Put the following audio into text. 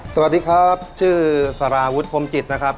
สวัสดีครับชื่อสาราวุฒิพรมจิตนะครับ